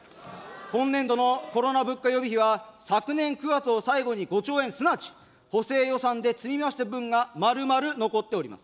今年度のコロナ物価予備費は昨年９月を最後に５兆円、すなわち補正予算で積み増した分が、まるまる残っております。